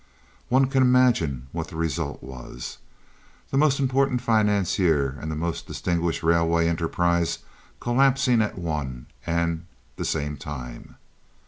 One can imagine what the result was—the most important financier and the most distinguished railway enterprise collapsing at one and the same time.